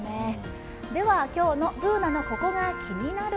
では、今日のＢｏｏｎａの「ココがキニナル」。